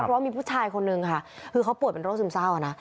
เพราะว่ามีผู้ชายคนนึงค่ะคือเขาป่วยเป็นโรคซึมเศร้านะ